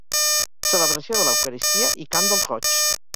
Celebració de l'eucaristia i cant dels goigs.